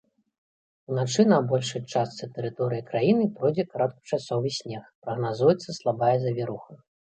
Уначы на большай частцы тэрыторыі краіны пройдзе кароткачасовы снег, прагназуецца слабая завіруха.